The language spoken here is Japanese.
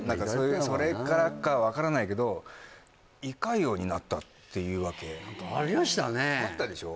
それからか分からないけど胃潰瘍になったっていうわけ何かありましたねあったでしょ？